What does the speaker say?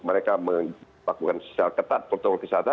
mereka melakukan sesuatu ketat